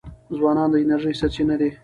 ځوانان د انرژی سرچینه دي.